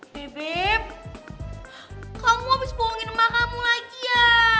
bebep kamu abis bohongin emak kamu lagi ya